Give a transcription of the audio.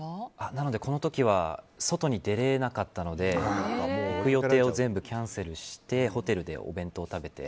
なのでこの時は外に出れなかったので行く予定を全部キャンセルしてホテルでお弁当を食べて。